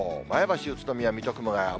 前橋、宇都宮、水戸、熊谷。